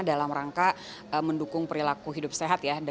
dalam rangka mendukung perilaku hidup sehat ya